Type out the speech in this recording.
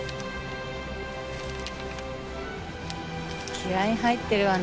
気合入ってるわね。